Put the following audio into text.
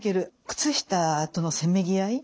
靴下とのせめぎ合い？